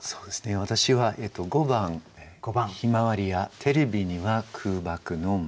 私は５番「向日葵やテレビには空爆の街」。